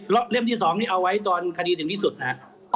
เล่มที่๒นี่เอาไว้ตอนคดีถึงที่สุดนะครับ